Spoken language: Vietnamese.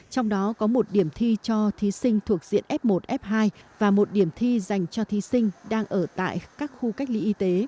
trong đó có một điểm thi cho thí sinh thuộc diện f một f hai và một điểm thi dành cho thí sinh đang ở tại các khu cách ly y tế